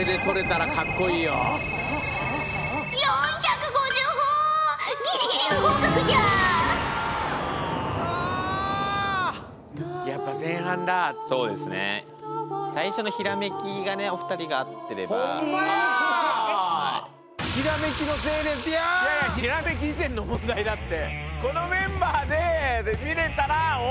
いやいやひらめき以前の問題だって。